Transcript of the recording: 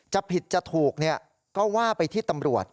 จะผิดจะถูกก็ว่าไปที่ตำรวจ